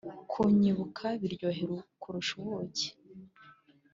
kunyibuka biryohera kurusha ubuki,